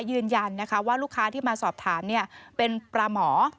ยืนยันนะคะว่าลูกค้าที่มาสอบถามเป็นปลาหมอ